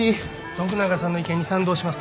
徳永さんの意見に賛同します。